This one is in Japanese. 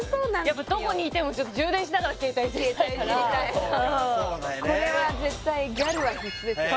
やっぱどこにいても充電しながら携帯いじりたいからこれは絶対ギャルは必須ですよね